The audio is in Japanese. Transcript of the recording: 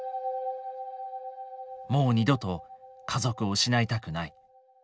「もう二度と家族を失いたくない」。